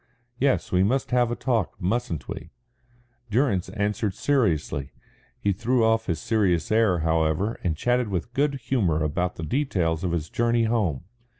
"Yes, we must have a talk, mustn't we?" Durrance answered seriously. He threw off his serious air, however, and chatted with good humour about the details of his journey home.